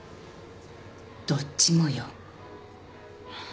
どっちもよ。